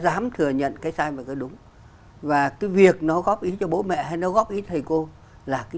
giám thừa nhận cái sai và cái đúng và cái việc nó góp ý cho bố mẹ hay nó góp ý cho thầy cô là cái